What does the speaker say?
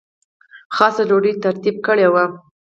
خاصه ډوډۍ ترتیب کړې وه.